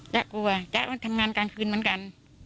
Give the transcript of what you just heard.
กลัวจ๊ะมันทำงานกลางคืนเหมือนกัน